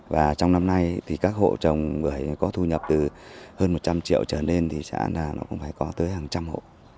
và trong năm nay thì các hộ trồng bưởi có thu nhập từ hơn một trăm linh triệu trở lên thì xã nó cũng phải có tới hàng trăm hộ